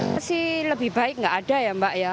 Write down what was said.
pasti lebih baik nggak ada ya mbak ya